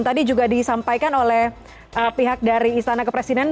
tadi juga disampaikan oleh pihak dari istana kepresidenan